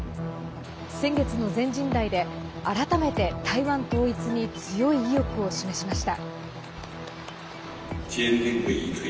先月の全人代で、改めて台湾統一に強い意欲を示しました。